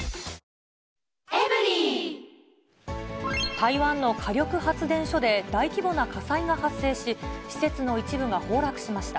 台湾の火力発電所で大規模な火災が発生し、施設の一部が崩落しました。